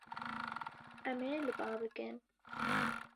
Em ê li ba bikin.